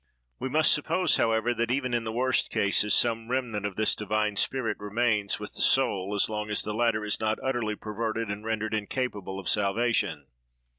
We must suppose, however, that even in the worst cases, some remnant of this divine spirit remains with the soul as long as the latter is not utterly perverted and rendered incapable of salvation.